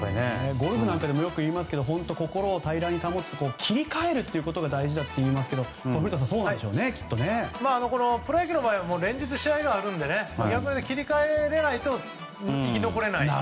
ゴルフなんかでもよく言いますけど心を平らに保つ切り替えることが大事だといいますがプロ野球の場合は連日試合があるので切り替えれないと生き残れない。